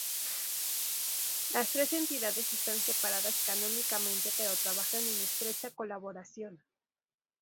Las tres entidades están separadas canónicamente pero trabajan en estrecha colaboración.